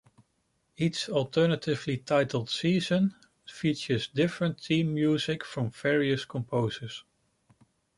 Each alternatively titled season features different theme music from various composers.